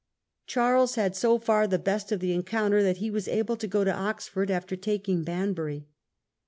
Charles had so far the best of the encounter that he was able to go on to Oxford after taking Banbury.